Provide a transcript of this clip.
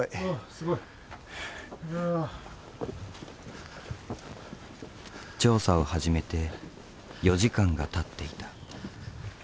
すごい。調査を始めて４時間がたっていた。